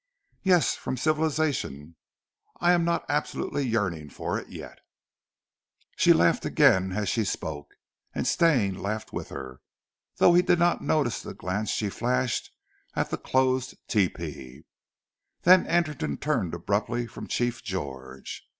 "Yes from civilization. I am not absolutely yearning for it yet." She laughed again as she spoke, and Stane laughed with her, though he did not notice the glance she flashed at the closed tepee. Then Anderton turned abruptly from Chief George.